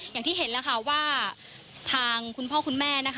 อย่างที่เห็นแล้วค่ะว่าทางคุณพ่อคุณแม่นะคะ